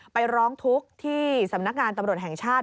ไปร้องทุกข์ที่สำนักงานตำรวจแห่งชาติ